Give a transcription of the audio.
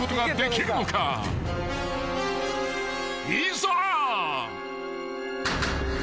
［いざ］